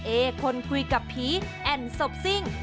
เอคนคุยกับผีแอ่นศพซิ่ง